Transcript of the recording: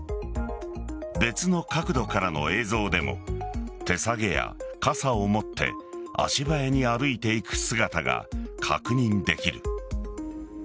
別の角度からの映像でも手提げや傘を持って足早に歩いていく姿が確認できる。